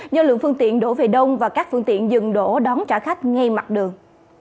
do lượng phương tiện đổ về đông và các phương tiện dừng đổ đón trả khách ngay mặt đường